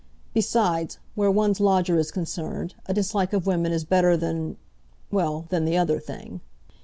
Besides, where one's lodger is concerned, a dislike of women is better than—well, than the other thing.